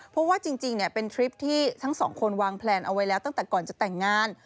เพราะว่าจริงเป็นทริปที่ทั้งสองคนวางแพลนเอาไว้แล้วตั้งแต่ก่อนจะแต่งงาน